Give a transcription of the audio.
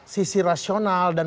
sisi rasional dan